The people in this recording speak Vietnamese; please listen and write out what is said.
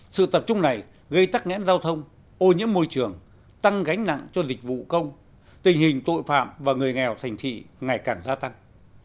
sự tập trung này gây tắc nghẽn giao thông ô nhiễm môi trường tăng gánh nặng cho dịch vụ công tình hình tội phạm và người nghèo thành thị ngày càng gia tăng